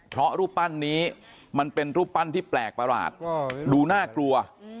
เพราะรูปปั้นนี้มันเป็นรูปปั้นที่แปลกประหลาดดูน่ากลัว